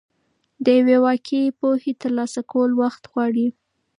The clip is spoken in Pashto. د یوې واقعي پوهې ترلاسه کول وخت غواړي.